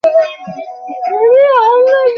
তার ফসল কেটে আনতেন।